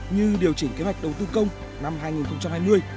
như điều chỉnh kế hoạch đầu tư công năm hai nghìn hai mươi